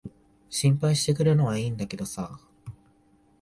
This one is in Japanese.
心配してくれるのは良いんだけどさ。